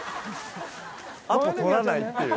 アポ取らないっていう。